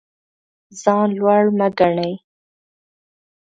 ځان لوړ مه ګڼئ.